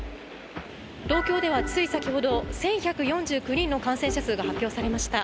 東京ではつい先ほど１１４９人の感染者数が発表されました。